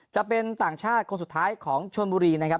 จะเป็นต่างชาติคนสุดท้ายของชวนบุรีนะครับ